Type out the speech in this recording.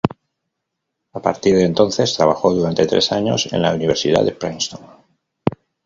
A partir de entonces trabajó durante tres años en la Universidad de Princeton.